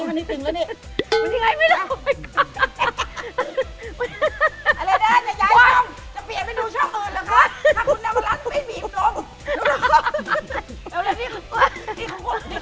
มันทิ้งแล้วเนี่ย